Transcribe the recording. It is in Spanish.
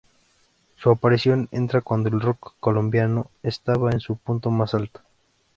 Su aparición entra cuando el rock colombiano estaba en su punto más alto.